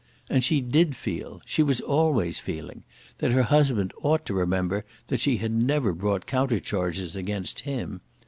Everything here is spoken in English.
And she did feel, she was always feeling, that her husband ought to remember that she had never brought counter charges against him.